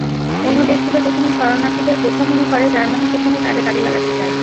অন্য দেশগুলো যেখানে শরণার্থীদের বোঝা মনে করে, জার্মানি সেখানে তাদের কাজে লাগাতে চায়।